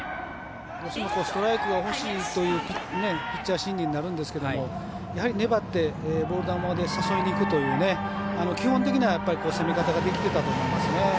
ストライクが欲しいというピッチャー心理になるんですがやはり粘ってボール球で誘いにいくという基本的な攻め方ができてたんだと思いますね。